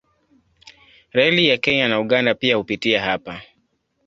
Reli ya Kenya na Uganda pia hupitia hapa.